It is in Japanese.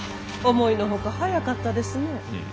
思いの外早かったですね。